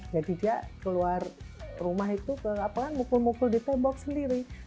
jadi dia keluar rumah itu ke lapangan mukul mukul di tobok sendiri